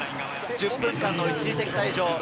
１０分間の一時的退場。